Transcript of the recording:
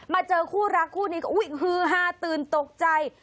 เจอคู่รักคู่นี้ก็ฮือฮาตื่นตกใจ